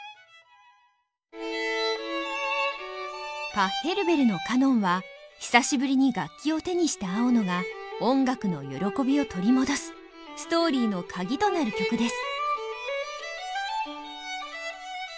パッヘルベルの「カノン」は久しぶりに楽器を手にした青野が音楽の喜びを取り戻すストーリーの鍵となる曲です。